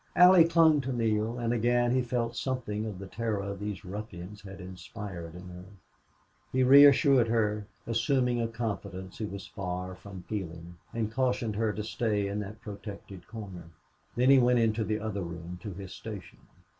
Allie clung to Neale, and again he felt something of the terror these ruffians had inspired in her. He reassured her, assuming a confidence he was far from feeling, and cautioned her to stay in that protected corner. Then he went in the other room to his station.